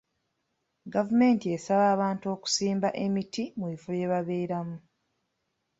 Gavumenti esaba abantu okusimba emiti mu bifo bye babeeramu.